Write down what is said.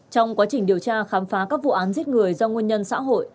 trong quá trình điều tra khám phá các vụ án giết người do nguyên nhân xã hội